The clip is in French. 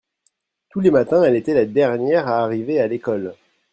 tous les matins elle était la dernière à arriver à l'école.